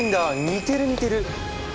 似てる似てる！